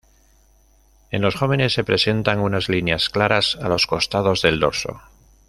En los jóvenes se presentan unas líneas claras a los costados del dorso.